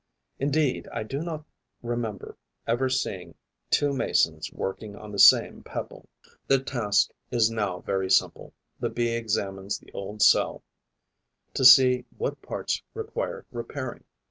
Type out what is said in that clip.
Indeed I do not remember ever seeing two Masons working on the same pebble. The task is now very simple. The Bee examines the old cell to see what parts require repairing.